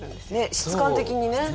質感的に。